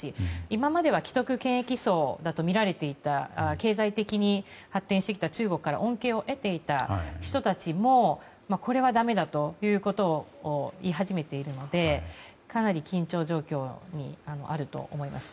今までは既得権益層だとみられていた経済的に発展してきた中国から恩恵を得ていた人たちもこれはだめだということを言い始めているので、かなり緊張状況にあると思います。